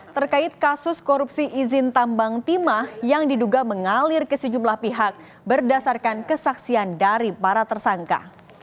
terkait kasus korupsi izin tambang timah yang diduga mengalir ke sejumlah pihak berdasarkan kesaksian dari para tersangka